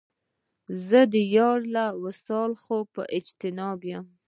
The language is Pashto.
زه د یار له وصله خود په اجتناب یم